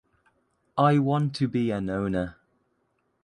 I want to be an owner.